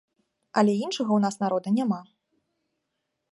Але іншага ў нас народа няма.